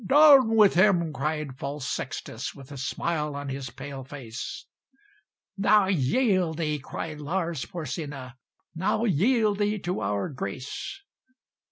"Down with him!" cried false Sextus, With a smile on his pale face. "Now yield thee," cried Lars Porsena, "Now yield thee to our grace."